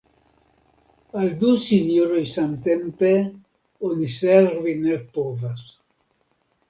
Al du sinjoroj samtempe oni servi ne povas.